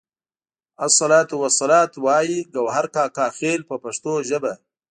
السلام والصلوات وایي ګوهر کاکا خیل په پښتو ژبه.